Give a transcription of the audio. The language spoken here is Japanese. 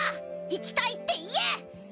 生きたいって言え！